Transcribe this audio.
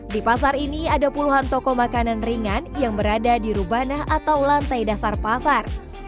di pasar ini ada puluhan toko makanan ringan yang berada di rubanah atau lantai dasar pasar